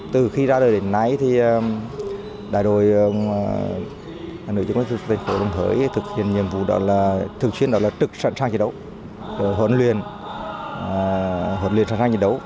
từ khi ra đời đến nay đại đội pháo phòng thực hiện nhiệm vụ đó là trực sẵn sàng chiến đấu huấn luyện sẵn sàng chiến đấu